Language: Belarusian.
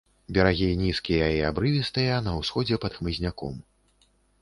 Берагі нізкія і абрывістыя, на ўсходзе пад хмызняком.